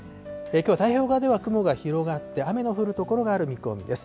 きょうは太平洋側では雲が広がって、雨の降る所がある見込みです。